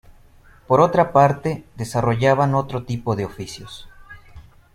Por otra parte, desarrollaban otro tipo de oficios.